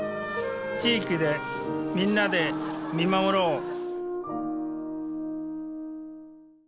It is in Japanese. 地域でみんなで見守ろう